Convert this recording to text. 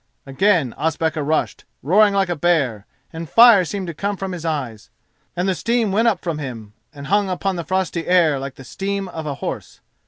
Again Ospakar rushed, roaring like a bear, and fire seemed to come from his eyes, and the steam went up from him and hung upon the frosty air like the steam of a horse.